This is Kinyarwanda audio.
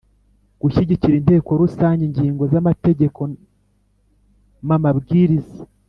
Gushyikiriza Inteko Rusange ingingo z amategeko m amabwiriza